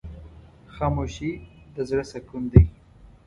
خاموشي، د زړه سکون دی.